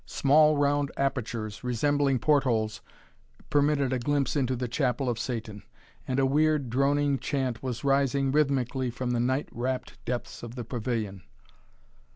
Small round apertures, resembling port holes, permitted a glimpse into the chapel of Satan, and a weird, droning chant was rising rhythmically from the night wrapt depths of the pavilion.